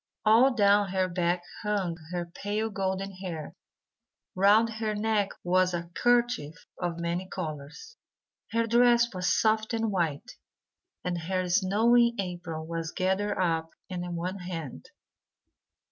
All down her back hung her pale golden hair; round her neck was a kerchief of many colours; her dress was soft and white, and her snowy apron was gathered up in one hand.